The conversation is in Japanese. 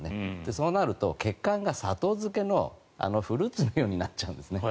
そうなると血管が砂糖漬けのフルーツのようになっちゃうんですね。